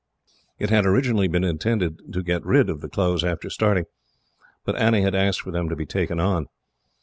It had originally been intended to get rid of the clothes, after starting, but Annie had asked for them to be taken on.